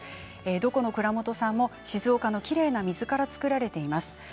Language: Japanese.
どこの蔵元さんも静岡のきれいな水から造られています。